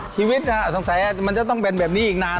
ชีวิตอ่ะสงสัยมันจะต้องเป็นแบบนี้อีกนาน